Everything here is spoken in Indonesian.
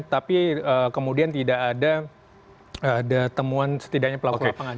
tapi kemudian tidak ada temuan setidaknya pelaku lapangan